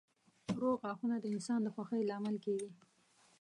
روغ غاښونه د انسان د خوښۍ لامل کېږي.